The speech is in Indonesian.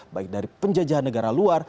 baik dari penjajahan negara luar